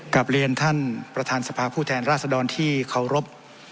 กลับเรียนท่านประธานสภาผู้แทนราชดรที่เคารพ